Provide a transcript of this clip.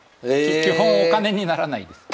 基本お金にならないです。